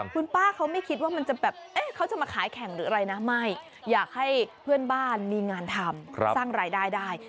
คุณป้าเขาไม่คิดว่ามันจะแบบเขาจะมาขายแข่งหรืออะไรนะไม่อยากให้เพื่อนบ้านมีงานทำสร้างรายได้ได้